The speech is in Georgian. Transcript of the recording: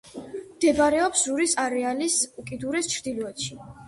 მდებარეობს რურის არეალის უკიდურეს ჩრდილოეთში.